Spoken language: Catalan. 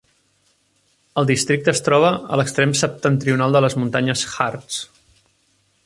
El districte es troba a l'extrem septentrional de les muntanyes Harz.